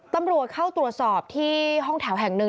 ตำรวจเข้าตรวจสอบที่ห้องแถวแห่งหนึ่ง